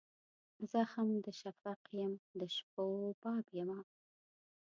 زخم د شفق یم د شپو باب یمه